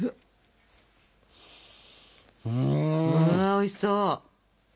まあおいしそう。